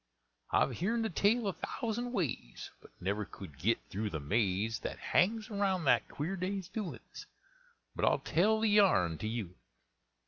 I've heern the tale a thousand ways, But never could git through the maze That hangs around that queer day's doin's; But I'll tell the yarn to youans.